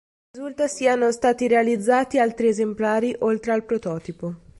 Non risulta siano stati realizzati altri esemplari oltre al prototipo.